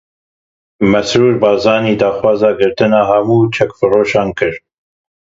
Mesrûr Barzanî daxwaza girtina hemû çekfiroşan kir.